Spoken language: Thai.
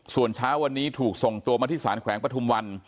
ส่วนเช้าวันนี้ถูกส่งตัวมาที่สารแขวงปฐุมวัน